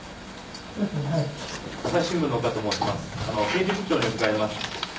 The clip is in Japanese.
警備部長に伺います。